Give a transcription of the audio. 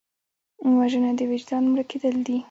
وژنه د وجدان مړه کېدل دي